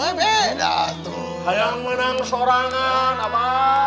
saya mah sama seorang yang apa